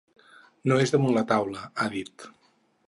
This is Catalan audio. No és damunt la taula, ha dit.